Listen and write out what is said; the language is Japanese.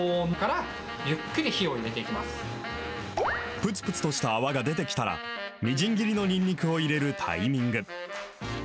ぷつぷつとした泡が出てきたら、みじん切りのにんにくを入れるタイミング。